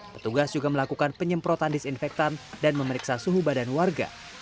petugas juga melakukan penyemprotan disinfektan dan memeriksa suhu badan warga